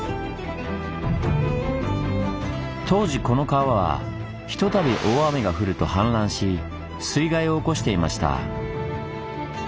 当時この川はひとたび大雨が降ると氾濫し水害を起こしていました。